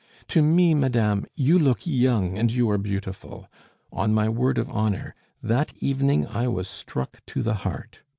"To me, madame, you look young, and you are beautiful. On my word of honor, that evening I was struck to the heart.